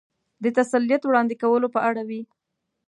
د تسلیت وړاندې کولو په اړه وې.